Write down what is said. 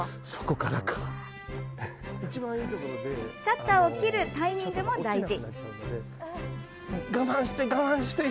シャッターを切るタイミングも大事。